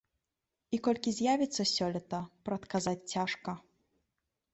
І колькі з'явіцца сёлета, прадказаць цяжка.